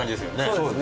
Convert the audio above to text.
そうです。